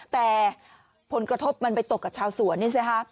แต่ผลกระทบมันไปตกกับชาวสวนนี่สิฮะ